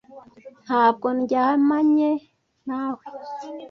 ntabwo ndyamanye nawe